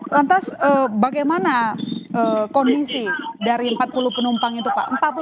lantas bagaimana kondisi dari empat puluh penumpang itu pak